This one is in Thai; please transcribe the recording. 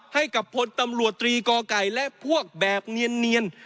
ให้กับพลตำรวจตรีกอไก่และพวกแบบเนียน